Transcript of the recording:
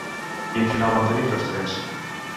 Quin final van tenir tots tres?